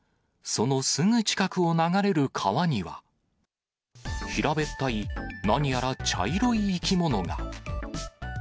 そのすぐ近くを流れる川には、平べったい、何やら茶色い生き物が。